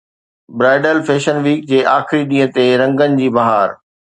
bridal fashion week جي آخري ڏينهن تي رنگن جي بهار